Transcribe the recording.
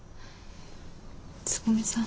つぐみさん。